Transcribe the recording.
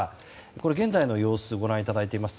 これ、現在の様子をご覧いただいています。